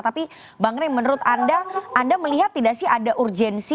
tapi bang rey menurut anda anda melihat tidak sih ada urgensi